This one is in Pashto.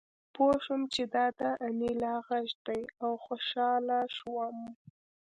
پوه شوم چې دا د انیلا غږ دی او خوشحاله شوم